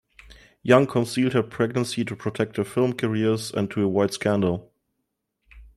Young concealed her pregnancy to protect their film careers and to avoid scandal.